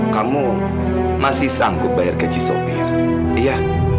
kamu masih sanggup bayar gaji sopir iya